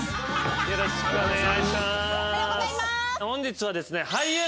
よろしくお願いします。